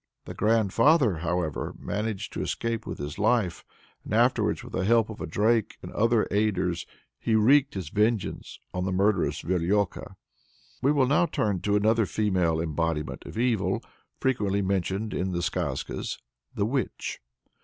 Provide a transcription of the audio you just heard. The grandfather, however, managed to escape with his life, and afterwards, with the help of a drake and other aiders, he wreaked his vengeance on the murderous Verlioka. We will now turn to another female embodiment of evil, frequently mentioned in the Skazkas the Witch.